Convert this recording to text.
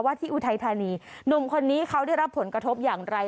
ที่อุทัยธานีหนุ่มคนนี้เขาได้รับผลกระทบอย่างไร